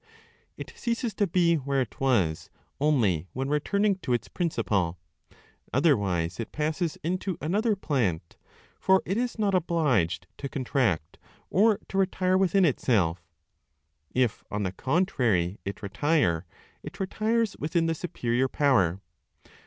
It ceases to be where it was only when returning to its principle; otherwise, it passes into another plant; for it is not obliged to contract, or to retire within itself. If, on the contrary, it retire, it retires within the superior power.